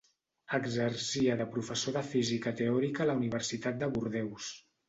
Exercia de professor de física teòrica a la Universitat de Bordeus.